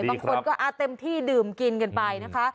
บางคนก็เต็มที่ดื่มกินกันไปนะคะ